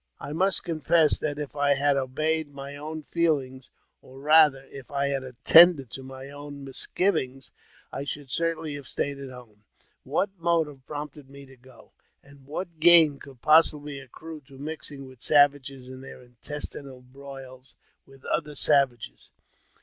I must confess that if I had obeyed my own ■ feelings, or, rather, if I had attended to my own mis ; givings, I should certainly have stayed at home. What motive prompted me to go? and what gain could possibly accrue to mixing with savages in their intestine broils with other savages